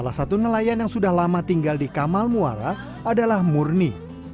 salah satu nelayan yang sudah lama tinggal di kamal muara adalah murni